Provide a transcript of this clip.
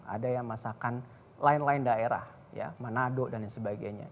ada yang masakan lain lain daerah manado dan lain sebagainya